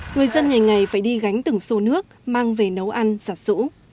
người dân ngày ngày phải đi gánh từng xô nước mang về nấu ăn sạt sũ